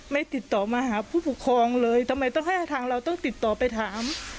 ติดต่อมาหาผู้ปกครองเลยทำไมต้องให้ทางเราต้องติดต่อไปถาม